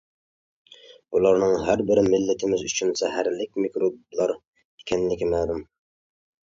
بۇلارنىڭ ھەر بىرى مىللىتىمىز ئۈچۈن زەھەرلىك مىكروبلار ئىكەنلىكى مەلۇم.